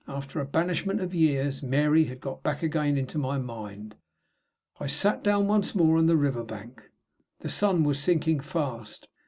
After a banishment of years, Mary had got back again into my mind. I sat down once more on the river bank. The sun was sinking fast.